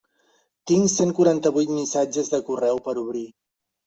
Tinc cent quaranta-vuit missatges de correu per obrir.